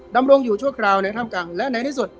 ดำรงอยู่ชั่วคราวในถ้ำกลางและในที่สุด